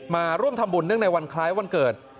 มาร่วมทำบุญเนื่องในวันคล้ายวันเกิด